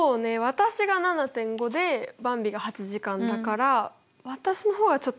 私が７．５でばんびが８時間だから私の方がちょっと短いよね。